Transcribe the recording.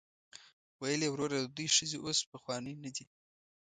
ویل یې وروره د دوی ښځې اوس پخوانۍ نه دي.